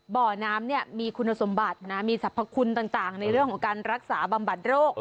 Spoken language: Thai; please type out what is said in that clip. บ่อน้ำเนี่ยมีคุณสมบัตินะมีสรรพคุณต่างในเรื่องของการรักษาบำบัดโรค